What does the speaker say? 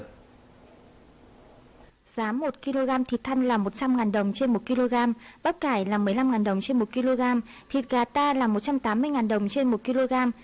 giá một kg thịt thăn là một trăm linh đồng trên một kg bắp cải là một mươi năm đồng trên một kg thịt gà ta là một trăm tám mươi đồng trên một kg